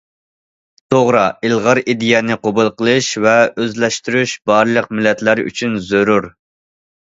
توغرا ئىلغار ئىدىيەنى قوبۇل قىلىش ۋە ئۆزلەشتۈرۈش بارلىق مىللەتلەر ئۈچۈن زۆرۈر.